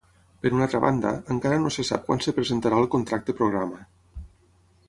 Per una altra banda, encara no se sap quan es presentarà el contracte programa.